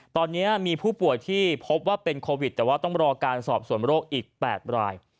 ตอนนี้มีผู้ป่วยที่พบว่าเป็นโควิดแต่ว่าต้องรอการสอบส่วนโรคอีก๘ราย